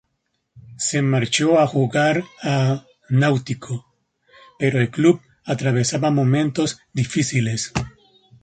Se marchó a jugar a Náutico, pero el club atravesaba momentos difíciles.